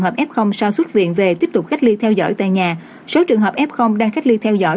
hợp f sau xuất viện về tiếp tục cách ly theo dõi tại nhà số trường hợp f đang cách ly theo dõi